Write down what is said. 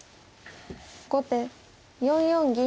後手４四銀。